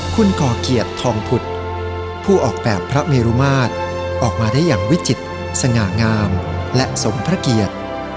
คุณก่อเกียรติทองผุดผู้ออกแบบพระเมรุมาตรออกมาได้อย่างวิจิตรสง่างามและสมพระเกียรติ